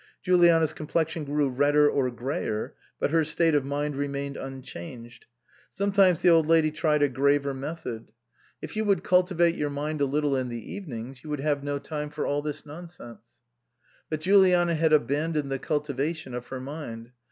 Juliana's complexion grew redder or greyer, but her state of mind remained unchanged. Sometimes the Old Lady tried a graver method. 308 MISS QUINCEY STANDS BACK "If you would cultivate your mind a little in the evenings you would have no time for all this nonsense." But Juliana had abandoned the cultivation of her mind.